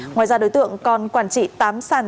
ngoài ra đối tượng còn quản trị tám sàn